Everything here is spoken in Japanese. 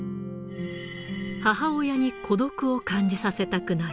母親に孤独を感じさせたくない。